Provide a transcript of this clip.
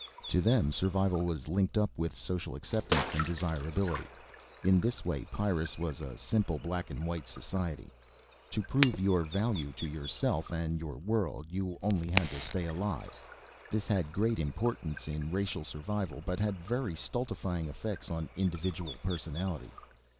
To them survival was linked up with social acceptance and desirability. In this way Pyrrus was a simple black and white society. To prove your value to yourself and your world, you only had to stay alive. This had great importance in racial survival, but had very stultifying effects on individual personality.